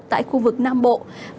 tại khu vực nam bộ